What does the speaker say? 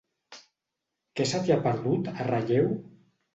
Què se t'hi ha perdut, a Relleu?